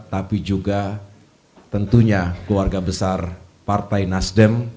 tapi juga tentunya keluarga besar partai nasdem